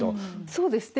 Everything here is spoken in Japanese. そうですね